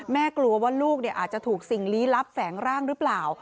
กลัวว่าลูกอาจจะถูกสิ่งลี้ลับแฝงร่างหรือเปล่า